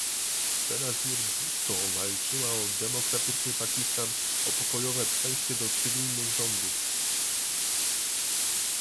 Benazir Bhutto walczyła o demokratyczny Pakistan o pokojowe przejście do cywilnych rządów